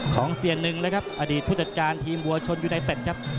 ของเสียหนึ่งนะครับอดีตผู้จัดการทีมบัวชนยูไนเต็ดครับ